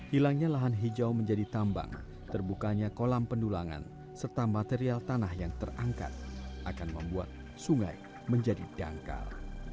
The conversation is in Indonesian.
hilangnya lahan hijau menjadi tambang terbukanya kolam pendulangan serta material tanah yang terangkat akan membuat sungai menjadi dangkal